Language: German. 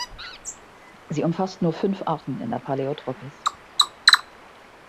Sie umfasst nur fünf Arten in der Paläotropis.